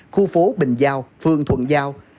khu phố bình giao phương thuận giao